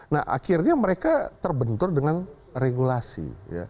nah akhirnya mereka terbentur dengan regulasi